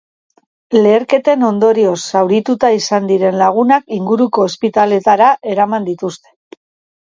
Leherketen ondorioz zaurituta izan diren lagunak inguruko ospitaletara eraman dituzte.